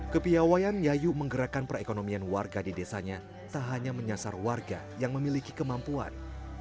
kepiawayan yayu menggerakkan perekonomian warga di desanya tak hanya menyasar warga yang memiliki kemampuan